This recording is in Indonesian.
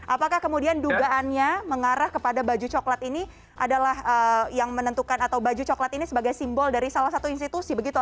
apakah kemudian dugaannya mengarah kepada baju coklat ini adalah yang menentukan atau baju coklat ini sebagai simbol dari salah satu institusi begitu